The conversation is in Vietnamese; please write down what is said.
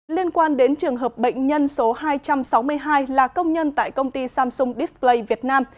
liên quan đến trường hợp bệnh nhân số hai trăm sáu mươi hai là công nhân tại công ty samsung display việt nam